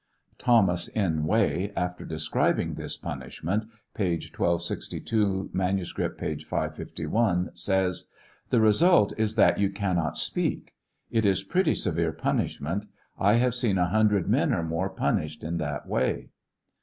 Thomas N. Way, after describing this punishment, (p. 1262 ; manuscript, p. 551,) says: The result is that you cannot speak. It is pretty severe punishment. I have seen a hundred men or more punished in that way.